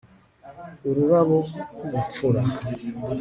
Ururabo rwubupfura